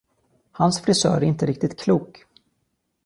Hans frisör är inte riktigt klok.